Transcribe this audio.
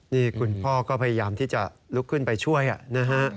นี่คุณพ่อก็พยายามที่จะลุกขึ้นไปช่วยนะฮะ